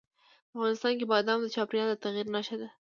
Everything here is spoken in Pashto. افغانستان کې بادام د چاپېریال د تغیر نښه ده.